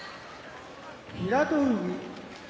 平戸海